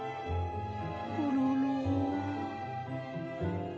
コロロ。